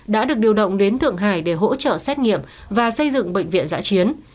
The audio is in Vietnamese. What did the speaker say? đã được điều động đến thượng hải để hỗ trợ xét nghiệm và xây dựng bệnh viện giã chiến